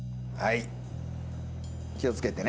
気を付けてね。